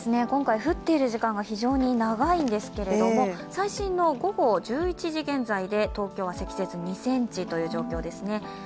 今回、降っている時間が非常に長いんですけれども最新の午後１１時現在で東京は積雪２ｃｍという状況ですね。